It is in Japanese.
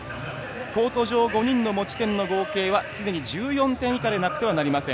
コート上５人の持ち点の合計は常に１４点でなくてはなりません。